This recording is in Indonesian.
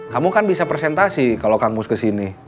kamu kan bisa presentasi kalau kang mus kesini